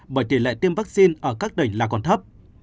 bởi tỷ lệ tiêm vaccine ở các tỉnh là còn thấp